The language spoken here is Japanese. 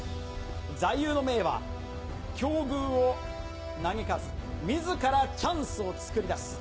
座右の銘は、境遇を嘆かず、みずからチャンスを作りだす。